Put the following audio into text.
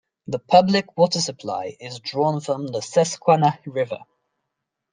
The public water supply is drawn from the Susquehanna River.